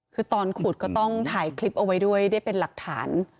คือตอนขุดก็ต้องถ่ายคลิปเอาไว้ด้วยได้เป็นหลักฐาน